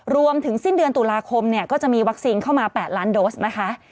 รวมถึงสิ้นเดือนตุลาคมเนี่ยก็จะมีวัคซีนเข้ามา๘ล้านโดสนะคะ